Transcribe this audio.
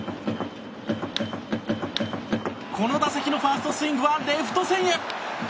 この打席のファーストスイングはレフト線へ。